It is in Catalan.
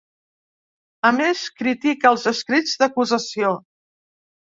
A més, critica els escrits d’acusació.